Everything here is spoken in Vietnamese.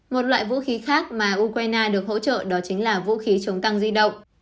một loại vũ khí khác mà ukraine được hỗ trợ đó chính là vũ khí chống tăng di động